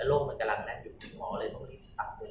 โลกเรามีคนอื่นก็ร่วม